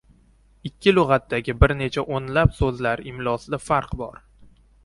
Ikki lug‘atdagi bir necha o‘nlab so‘zlar imlosida farq bor.